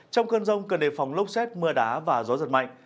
trong cơn rông cần đề phòng lốc xét mưa đá và gió giật mạnh